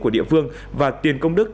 của địa phương và tiền công đức